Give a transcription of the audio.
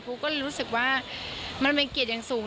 ก็รู้สึกว่ามันเป็นเกียรติอย่างสูง